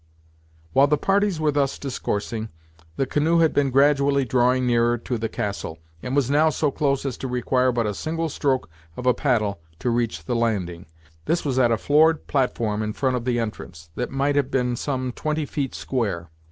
"While the parties were thus discoursing, the canoe had been gradually drawing nearer to the "castle," and was now so close as to require but a single stroke of a paddle to reach the landing. This was at a floored platform in front of the entrance, that might have been some twenty feet square.